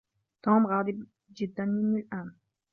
توم غاضب جدا مني الآن.